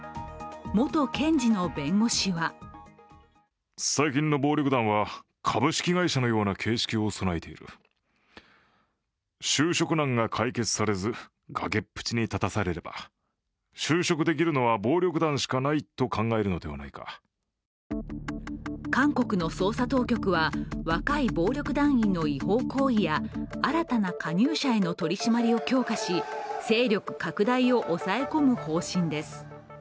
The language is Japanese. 元検事の弁護士は韓国の捜査当局は若い暴力団員の違法行為や新たな加入者への取り締まりを強化し勢力拡大を抑え込む方針です。